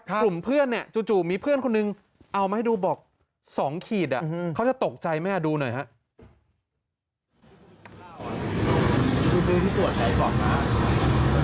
กลุ่มเพื่อนจู่มีเพื่อนคนนึงเอามาให้ดูเบาะ๒ขีดมันจะตกใจไหมดูหน่อยครับ